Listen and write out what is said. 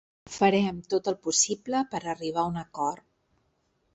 Farem tot el possible per arribar un acord.